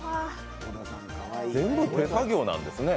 全部手作業なんですね。